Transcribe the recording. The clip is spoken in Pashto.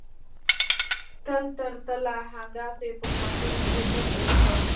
تل تر تله همداسې په خوندونو کښې ډوب واوسم.